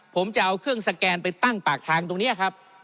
ผมจะเอาเครื่องสแกนไปตั้งปากทางตรงนี้ครับ